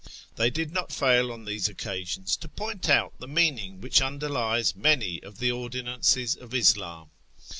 They did not fail on these occasions to point out the meaning wliich underlies many of the ordinances of Ishhn.